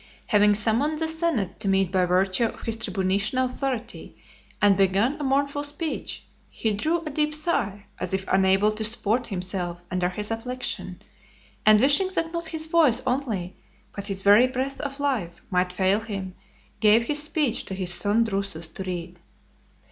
XXIII. Having summoned the senate to meet by virtue of his tribunitian authority, and begun a mournful speech, he drew a deep sigh, as if unable to support himself under his affliction; and wishing that not his voice only, but his very breath of life, might fail him, gave his speech to his son Drusus to read.